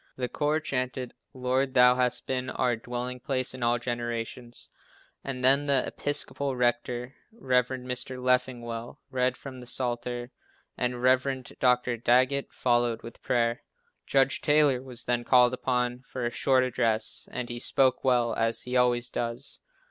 The choir chanted "Lord, Thou hast been our dwelling place in all generations," and then the Episcopal rector, Rev. Mr. Leffingwell, read from the psalter, and Rev. Dr. Daggett followed with prayer. Judge Taylor was then called upon for a short address, and he spoke well, as he always does.